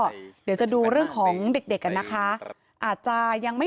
เดี๋ยวจะดูเรื่องของเด็กกันนะคะ